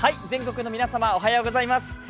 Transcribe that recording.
全国の皆様おはようございます。